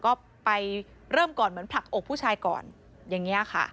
ก็ไปเริ่มก่อนเหมือนผลักอกผู้ชายก่อนอย่างนี้ค่ะ